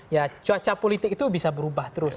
ya cuaca politik itu bisa berubah terus